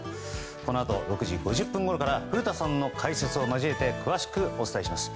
このあと６時５０分ごろから古田さんの解説を交えて詳しくお伝えします。